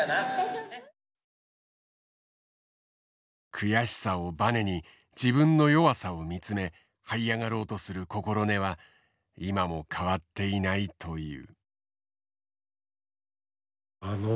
悔しさをばねに自分の弱さを見つめはい上がろうとする心根は今も変わっていないという。